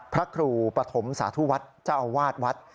พระครูปฐมสาธุวัชฌาวาฎวัฒน์